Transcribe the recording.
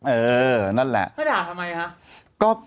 เออนั่นแหละเขาด่าทำไมคะ